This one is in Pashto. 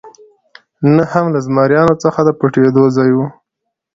نه هم له زمریانو څخه د پټېدو ځای و.